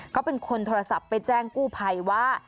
ก็เป็นคนโทรศัพท์ไปแจ้งกู้ภัยว่า